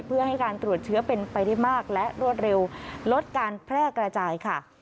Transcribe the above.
เพื่อให้การตรวจเชื้อเป็นไปได้มากและรวดเร็วลดการแพร่กระจายค่ะ